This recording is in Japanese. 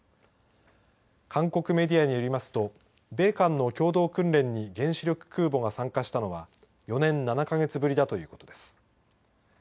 韓国メディアによりますと米韓の共同訓練に原子力空母が参加したのは４年７か月ぶりだということです。